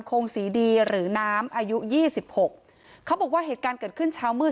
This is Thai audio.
คงศรีดีหรือน้ำอายุยี่สิบหกเขาบอกว่าเหตุการณ์เกิดขึ้นเช้ามืด